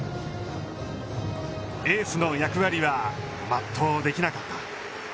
エースの役割は全うできなかった。